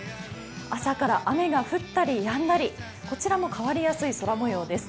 朝から雨が降ったりやんだり、こちらも変わりやすい空もようです。